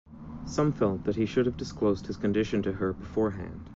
Some felt that he should have disclosed his condition to her beforehand.